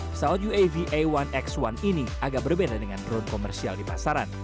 pesawat uav a satu x satu ini agak berbeda dengan drone komersial di pasaran